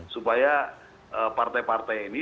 supaya partai partai ini